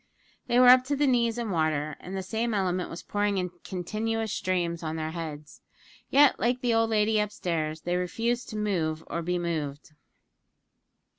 They were up to the knees in water, and the same element was pouring in continuous streams on their heads yet, like the old lady up stairs, they refused to move or be moved.